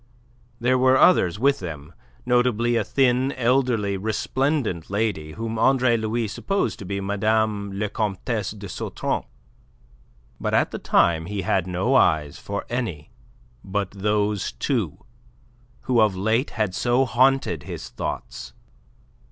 There were others with them notably a thin, elderly, resplendent lady whom Andre Louis supposed to be Madame la Comtesse de Sautron. But at the time he had no eyes for any but those two, who of late had so haunted his thoughts.